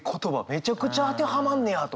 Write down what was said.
めちゃくちゃ当てはまんねやと。